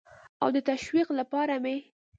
او د تشویق لپاره مې